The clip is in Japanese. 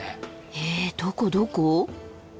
えどこどこ？